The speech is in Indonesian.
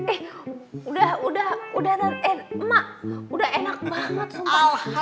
eh udah udah udah eh emak udah enak banget sumpah